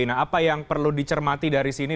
nah apa yang perlu dicermati dari sini